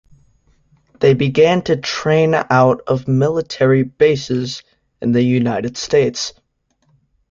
They began to train out of military bases in the United States.